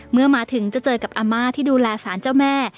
เมื่อมาถึงจะเจอกับอาม่าที่ดูแลสารเจ้าแม่